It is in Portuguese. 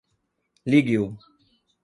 Ligue-o.